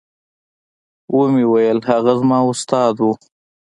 ومې ويل هغه زما استاد و.